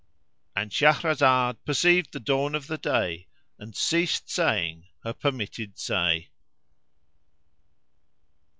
—And Shahrazad perceived the dawn of day and ceased saying her permitted say.